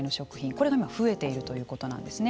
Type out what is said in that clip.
これが今増えているということなんですね。